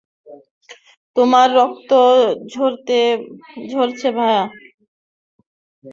তোমার রক্ত ঝরছে, ভায়া।